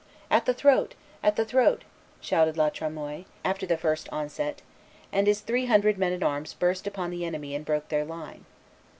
"At the throat! at the throat!!" shouted La Tremoille, after the first onset, and his three hundred men at arms burst upon the enemy and broke their line.